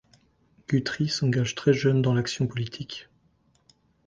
Guthrie s'engage très jeune dans l'action politique.